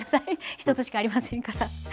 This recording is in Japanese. １つしかありませんから。